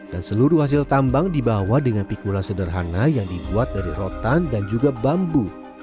seluruh hasil tambang dibawa dengan pikulan sederhana yang dibuat dari rotan dan juga bambu